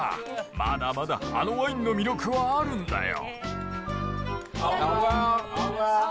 まだまだあのワインの魅力はあるんだよ。